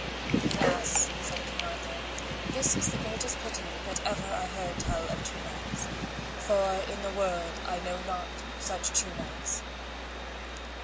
Alas, said King Arthur, this is the greatest pity that ever I heard tell of two knights, for in the world I know not such two knights.